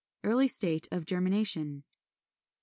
Early state of germination. 43.